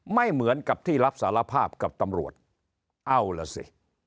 ไม่เหมือนกับที่รับสารภาพกับตำรวจเอาล่ะสิ